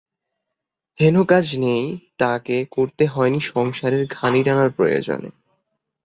হেন কাজ নেই তাকে করতে হয়নি সংসারের ঘানি টানার প্রয়োজনে।